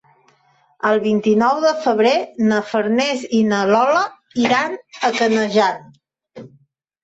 El vint-i-nou de febrer na Farners i na Lola iran a Canejan.